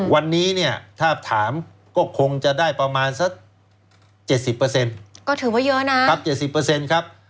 วันนี้เนี่ยถ้าถามก็คงจะได้ประมาณสัก๗๐ก็ถือว่าเยอะนะครับ๗๐ครับ